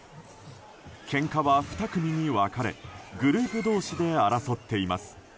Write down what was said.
けんかは２組に分かれグループ同士で争っています。